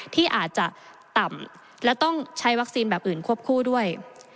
ที่อาจจะต่ำและต้องใช้วัคซีนแบบอื่นควบคู่ด้วย